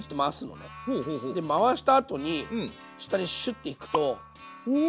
で回したあとに下にシュッっていくとおお！